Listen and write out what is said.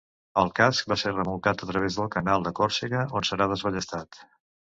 El casc va ser remolcat a través del Canal de Còrsega, on serà desballestat.